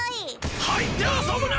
入って遊ぶな！